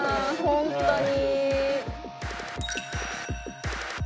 本当に。